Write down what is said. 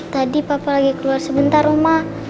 tadi papa lagi keluar sebentar rumah